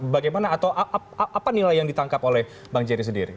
bagaimana atau apa nilai yang ditangkap oleh bang jerry sendiri